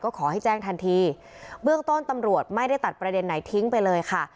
ขอให้แจ้งทันทีเบื้องต้นตำรวจไม่ได้ตัดประเด็นไหนทิ้งไปเลยค่ะ